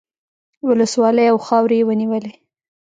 ولسوالۍ او خاورې یې ونیولې.